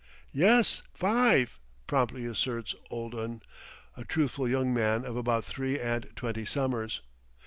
"Yes, five," promptly asserts "old un," a truthful young man of about three and twenty summers.